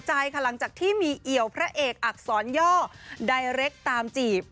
หลังจากที่มีเอี่ยวพระเอกอักษรย่อไดเล็กตามจีบ